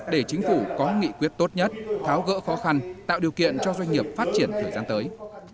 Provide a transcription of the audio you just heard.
để chính phủ có nghị quyết tốt nhất tháo gỡ khó khăn tạo điều kiện cho doanh nghiệp phát triển thời gian tới